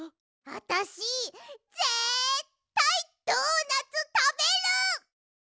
あたしぜったいドーナツたべる！